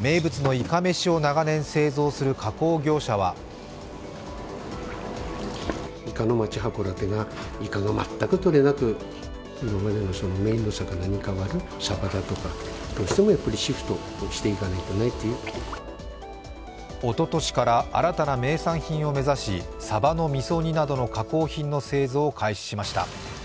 名物のいかめしを長年製造する加工業者はおととしから新たな麺三品を目指し、さばのみそ煮などの加工品の製造を開始しました。